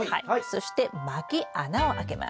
そしてまき穴をあけます。